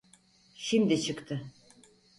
Şimdi çıktı.